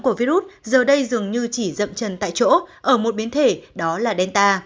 của virus giờ đây dường như chỉ rậm chân tại chỗ ở một biến thể đó là delta